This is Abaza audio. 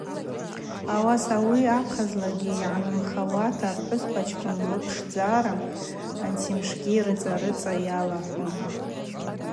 Ауаса ауи ахъазлагьи йгӏанымхауата апхӏвыспачкӏвын лыпшдзара ансимшгьи рыцӏа-рыцӏа йалахӏалун.